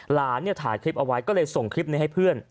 หลานถ่ายคลิปเอาไว้ก็เลยส่งคลิปนี้ให้เพื่อน